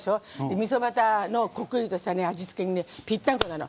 みそバタのこくのある味付けに、ぴったんこなの！